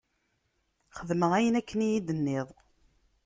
Xedmeɣ ayen akken i yi-d-tenniḍ.